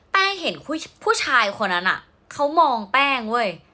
เห็นผู้ชายคนนั้นเขามองแป้งเว้ย